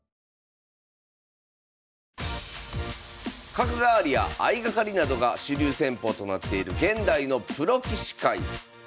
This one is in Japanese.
角換わりや相掛かりなどが主流戦法となっている現代のプロ棋士界。